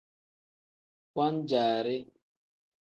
Wan-jaari.